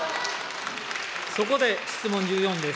そこで質問１４です。